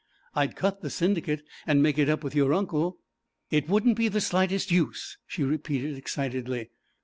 I'd cut the Syndicate and make it up with your uncle.' 'It wouldn't be the slightest use,' she repeated excitedly.